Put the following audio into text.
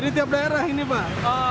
di tiap daerah ini pak